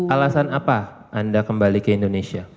alasan apa anda kembali ke indonesia